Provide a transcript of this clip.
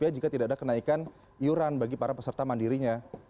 jika tidak ada kenaikan iuran bagi para peserta mandirinya